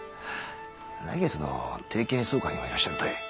来月の定期演奏会にもいらっしゃるといい。